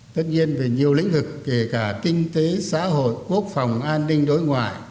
tất nhiên về nhiều lĩnh vực kể cả kinh tế xã hội quốc phòng an ninh đối ngoại